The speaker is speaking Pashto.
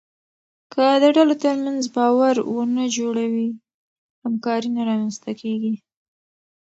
که د ډلو ترمنځ باور ونه جوړوې، همکاري نه رامنځته کېږي.